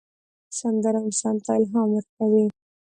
سندره انسان ته الهام ورکوي